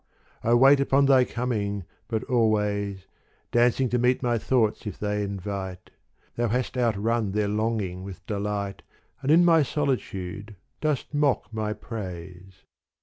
I wait upon thy coming, but always — Dancing to meet my thoughts if they invite — Thou hast outrun their longing with delight And in my solitude dost mock my praise.